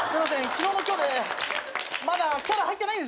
昨日の今日でまだキャラ入ってないんですよ。